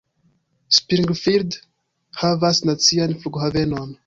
Springfield havas nacian flughavenon.